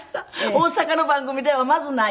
大阪の番組ではまずない。